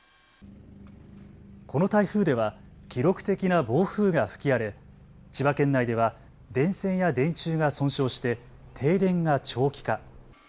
この台風では記録的な暴風が吹き荒れ千葉県内では電線や電柱が損傷して停電が長期化。